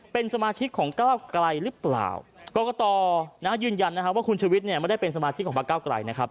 เป็นสมาชิกของก้าวไกลหรือเปล่ากรกตยืนยันว่าคุณชวิตไม่ได้เป็นสมาชิกของพักก้าวไกล